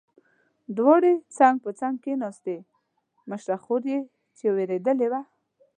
دواړې څنګ په څنګ کېناستې، مشره خور یې چې وېرېدلې وه.